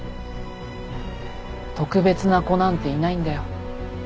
特別な子なんていないんだよ。